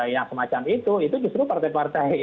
yang semacam itu itu justru partai partai